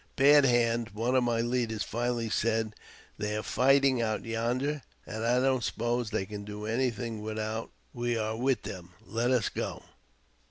Bad Hand, one of my leaders, finally said, " They are fighting out yonder, and I don't suppose they can do anything without we are with them. Let us go."